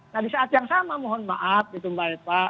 nah di saat yang sama mohon maaf gitu mbak eva